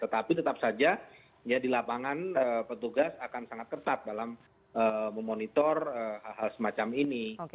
tetapi tetap saja ya di lapangan petugas akan sangat ketat dalam memonitor hal semacam ini